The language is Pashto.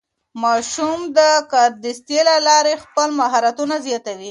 ماشومان د کاردستي له لارې خپل مهارتونه زیاتوي.